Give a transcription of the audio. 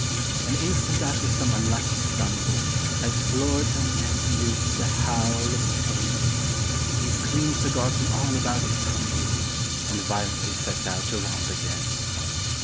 An instant after some unlucky stumble Has floored him and induced a howl of pain, He's clean forgotten all about his tumble And violently sets out to romp again.